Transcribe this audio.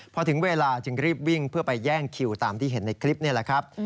พอถึงเวลาจึงรีบวิ่งเพื่อไปแย่งคิวตามที่เห็นในคลิปนี่แหละครับ